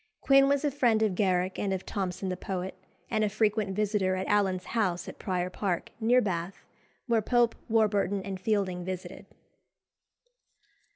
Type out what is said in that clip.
Quin was a friend of Garrick and of Thomson the poet, and a frequent visitor at Allen's house at Prior Park, near Bath, where Pope, Warburton, and Fielding visited.